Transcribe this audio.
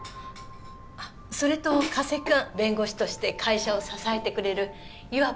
あっそれと加瀬君弁護士として会社を支えてくれるいわば